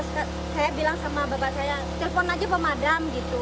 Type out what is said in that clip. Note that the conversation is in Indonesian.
saya bilang sama bapak saya telepon aja pemadam gitu